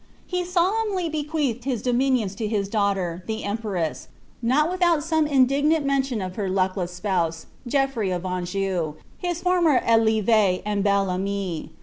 He solemnly bequeathed his dominions to his daughter e empress, not without some indignant mention of her luckless spouse, eofirey of Anjou, his former Sieve and bel ami.